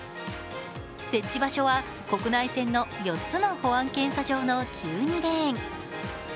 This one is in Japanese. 設置場所は国内線の４つの保安検査場の１２レーン。